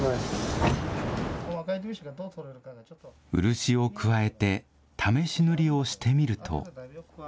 漆を加えて、試し塗りをしてみると。